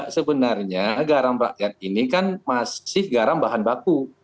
sebenarnya garam rakyat ini kan masih garam bahan baku